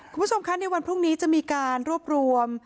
คุณผู้ชมคะในวันพรุ่งนี้จะมีการรวบรวม